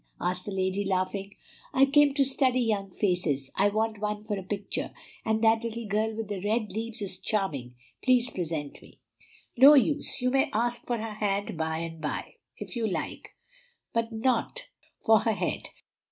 asked the lady, laughing. "I came to study young faces; I want one for a picture, and that little girl with the red leaves is charming. Please present me." "No use; you may ask for her hand by and by, if you like, but not for her head.